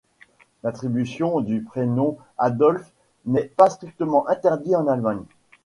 L'attribution du prénom Adolf n'est pas strictement interdit en Allemagne.